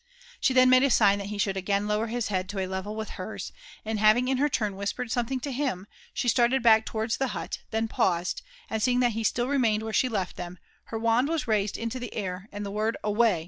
. She then made a sign that he should again lower his head to a leyel with hers; and having in her tarn whispered something to him, she started back towards the bat, then paused, and seeing that he still re mained where she left him, her wand was raised into the air, and the word '* Away